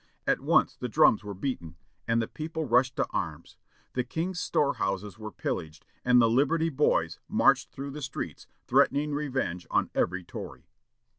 At once the drums were beaten, and the people rushed to arms. The king's store houses were pillaged, and the "Liberty Boys" marched through the streets, threatening revenge on every Tory.